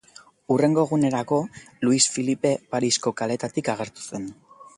Hurrengo egunerako Luis Filipe Parisko kaleetatik agertu zen.